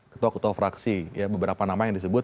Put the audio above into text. ketua ketua fraksi ya beberapa nama yang disebut